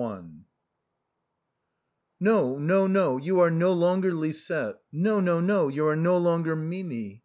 No, no, no, you are no longer Lisette ! No, no, no, you are no longer Mimi.